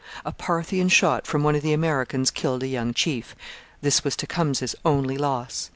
A Parthian shot from one of the Americans killed a young chief; this was Tecumseh's only loss.